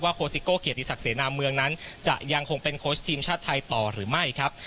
โคสิโก้เกียรติศักดิเสนาเมืองนั้นจะยังคงเป็นโค้ชทีมชาติไทยต่อหรือไม่ครับ